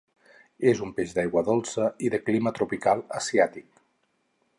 És un peix d'aigua dolça i de clima tropical asiàtic.